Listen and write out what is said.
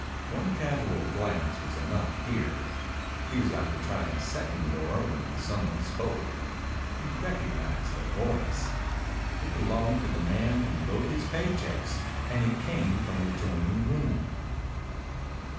One casual glance was enough here. He was about to try a second door when some one spoke. He recognized the voice. It belonged to the man who wrote his pay checks, and it came from an adjoining room.